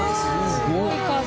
すごい数。